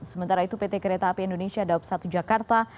sementara itu pt kereta api indonesia daup satu jakarta